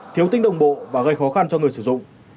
thiếu tính đồng bộ và gây khó khăn cho người sử dụng